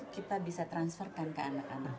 kita bisa transferkan ke anak anak